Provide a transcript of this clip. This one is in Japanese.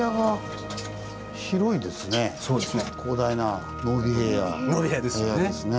そうですね。